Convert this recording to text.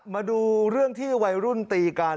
มาดูเรื่องที่วัยรุ่นตีกัน